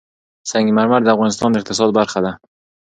سنگ مرمر د افغانستان د اقتصاد برخه ده.